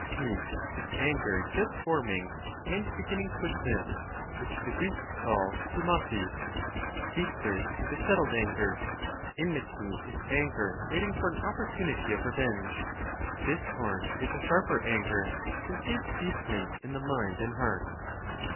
Heat is anger just forming and beginning to exist, which the Greeks call @ipworr, Hatred is a settled anger. Enmity is anger waiting for an opportunity of revenge. Discord is a sharper anger conceived deeply in the mind and heart.